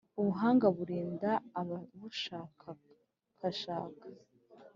ubuhanga burinda ababushakashaka